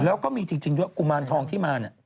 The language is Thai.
แล้วก็มีจริงด้วยกุมารทองที่มาเนี่ย